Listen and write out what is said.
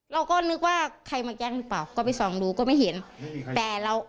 เราก็นึกว่าใครมาแกล้งหรือเปล่าก็ไปส่องดูก็ไม่เห็นอืมแต่เรา